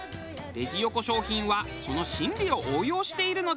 レジ横商品はその心理を応用しているのです。